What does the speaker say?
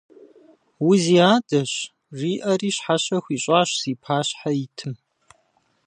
Узиадэщ, – жиӀэри щхьэщэ хуищӀащ зи пащхьэ итым.